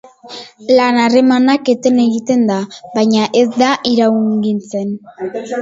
Lan-harremana eten egiten da, baina ez da iraungitzen.